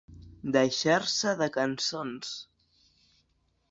Deixar-se de cançons.